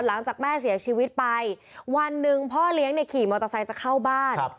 หลังจากแม่เสียชีวิตไปวันหนึ่งพ่อเลี้ยงเนี่ยขี่มอเตอร์ไซค์จะเข้าบ้าน